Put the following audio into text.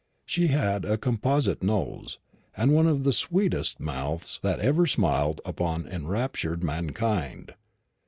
She had a composite nose, and one of the sweetest mouths that ever smiled upon enraptured mankind.